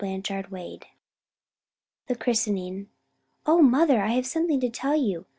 CHAPTER III. THE CHRISTENING "O MOTHER, I have something to tell you.